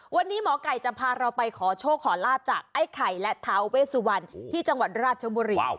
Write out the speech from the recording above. วันนี้หมอไก่จะพาเราไปขอโชคขอลาบจากไอ้ไข่และท้าเวสุวรรณที่จังหวัดราชบุรี